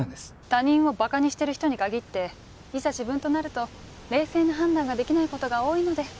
他人をばかにしてる人に限っていざ自分となると冷静な判断ができないことが多いので。